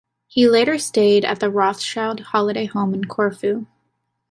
He later stayed at the Rothschild holiday home in Corfu.